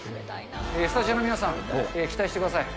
スタジオの皆さん、期待してください。